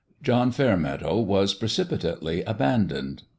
John Fairmeadow was pre cipitately abandoned.